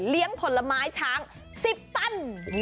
เลี้ยงผลไม้ช้าง๑๐ตั้น